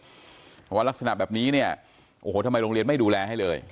เพราะว่ารักษณะแบบนี้เนี่ยโอ้โหทำไมโรงเรียนไม่ดูแลให้เลย